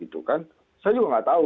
saya juga tidak tahu